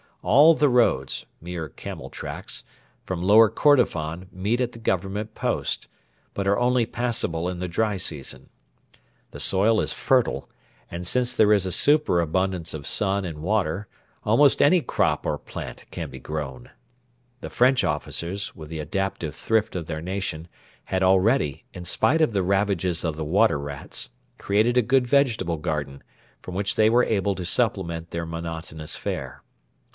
All the roads mere camel tracks from Lower Kordofan meet at the Government post, but are only passable in the dry season. The soil is fertile, and, since there is a superabundance of sun and water, almost any crop or plant can be grown. The French officers, with the adaptive thrift of their nation, had already, in spite of the ravages of the water rats, created a good vegetable garden, from which they were able to supplement their monotonous fare.